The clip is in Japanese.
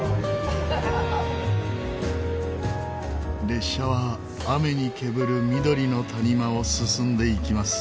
列車は雨に煙る緑の谷間を進んでいきます。